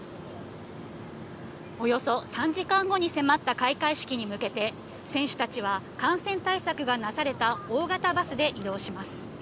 およそ３時間後に迫った開会式に向けて、選手たちは感染対策がなされた大型バスで移動します。